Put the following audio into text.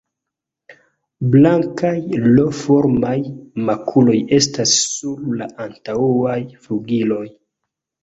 Blankaj L-formaj makuloj estas sur la antaŭaj flugiloj.